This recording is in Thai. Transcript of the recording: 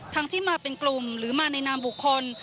ที่มาเป็นกลุ่มหรือมาในนามบุคคล